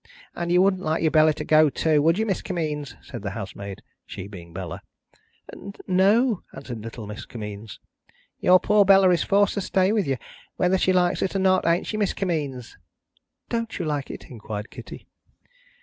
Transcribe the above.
"And you wouldn't like your Bella to go too; would you, Miss Kimmeens?" said the housemaid. (She being Bella.) "N no," answered little Miss Kimmeens. "Your poor Bella is forced to stay with you, whether she likes it or not; ain't she, Miss Kimmeens?" "Don't you like it?" inquired Kitty.